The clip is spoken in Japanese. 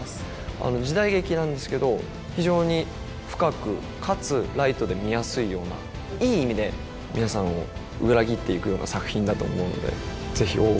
あの時代劇なんですけど非常に深くかつライトで見やすいようないい意味で皆さんを裏切っていくような作品だと思うのでぜひ「大奥」